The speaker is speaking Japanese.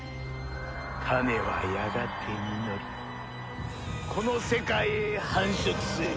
種はやがて実りこの世界に繁殖する。